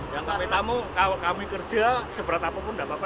yang kami tamu kalau kami kerja seberat apapun tidak apa apa